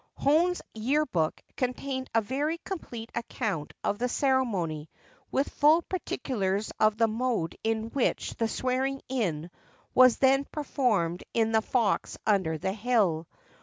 Hone's Year Book contains a very complete account of the ceremony, with full particulars of the mode in which the 'swearing in' was then performed in the 'Fox under the Hill.